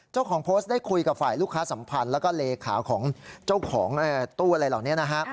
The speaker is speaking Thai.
เจ้าของโพสต์ได้คุยกับฝ่ายลูกค้าสัมพันธ์แล้วก็เลขาของเจ้าของตู้อะไรเหล่านี้นะฮะ